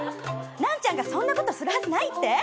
ナンチャンがそんなことするはずないって？